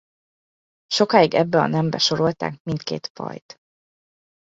Sokáig ebbe a nembe sorolták mindkét fajt.